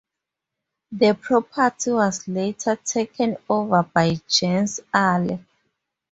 The property was later taken over by Jens Aller.